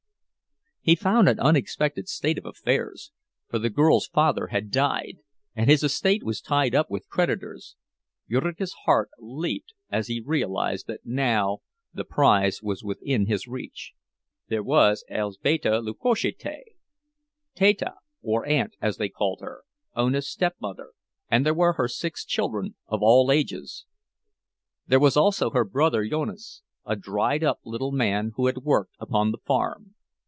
He found an unexpected state of affairs—for the girl's father had died, and his estate was tied up with creditors; Jurgis' heart leaped as he realized that now the prize was within his reach. There was Elzbieta Lukoszaite, Teta, or Aunt, as they called her, Ona's stepmother, and there were her six children, of all ages. There was also her brother Jonas, a dried up little man who had worked upon the farm.